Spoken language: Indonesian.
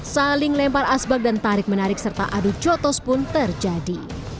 saling lempar asbak dan tarik menarik serta adu cotos pun terjadi